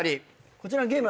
こちらのゲーム